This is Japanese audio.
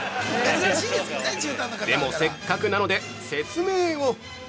でも、せっかくなので説明を！